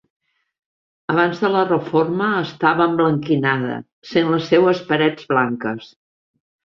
Abans de la reforma estava emblanquinada sent les seues parets blanques.